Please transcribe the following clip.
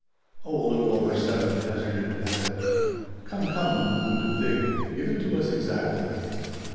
"Oh, a little over seven," hazarded Abbot. "Come, come," boomed Thig: "give it to us exactly."